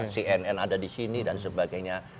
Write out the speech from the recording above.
cnn ada di sini dan sebagainya